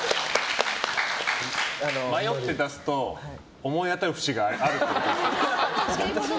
迷って出すと思い当たる節があるってこと？